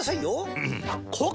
うん！